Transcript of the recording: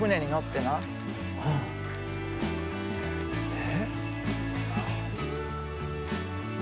え？